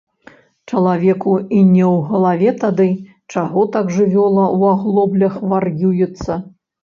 Чалавеку і не ў галаве тады, чаго так жывёла ў аглоблях вар'юецца.